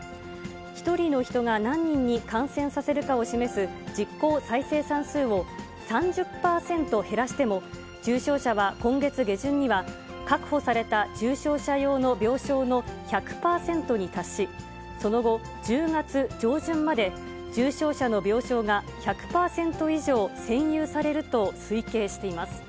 １人の人が何人に感染させるかを示す実効再生産数を３０％減らしても、重症者は今月下旬には、確保された重症者用の病床の１００％に達し、その後、１０月上旬まで、重症者の病床が１００％以上占有されると推計しています。